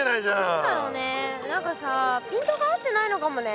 何だろうね何かさピントが合ってないのかもね。